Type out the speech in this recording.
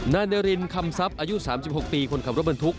นายนารินคำทรัพย์อายุ๓๖ปีคนขับรถบรรทุก